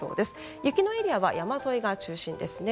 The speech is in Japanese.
雪のエリアは山沿いが中心ですね。